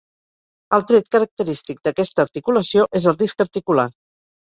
El tret característic d'aquesta articulació és el disc articular.